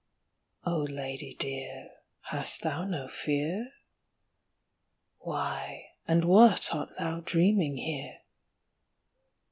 Oh, lady dear, hast thou no fear? Why and what art thou dreaming here?